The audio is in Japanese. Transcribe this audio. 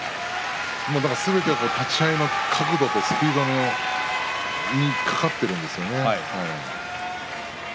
だからすべて立ち合いの角度とスピードにかかってるんじゃないですかね。